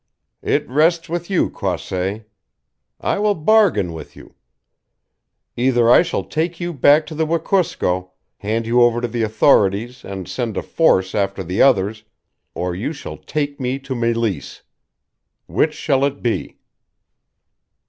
"It rests with you, Croisset. I will bargain with you. Either I shall take you back to the Wekusko, hand you over to the authorities and send a force after the others or you shall take me to Meleese. Which shall it be?"